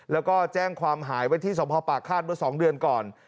แล้วก็แจ้งความหายไว้ที่สมภาพปากฆาตเมื่อ๒เดือนก่อน